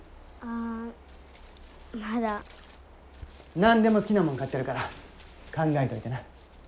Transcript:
何でも好きなもん買ってやるから考えといてな。